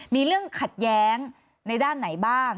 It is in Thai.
มีเรื่องขัดแย้งในด้านไหนบ้าง